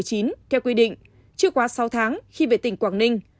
theo quy định chưa quá sáu tháng khi về tỉnh quảng ninh